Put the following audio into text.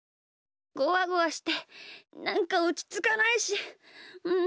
ゴワゴワしてなんかおちつかないしちょっといたい。